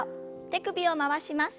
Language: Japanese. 手首を回します。